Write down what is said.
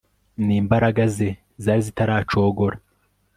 n'imbaraga ze zari zitaracogora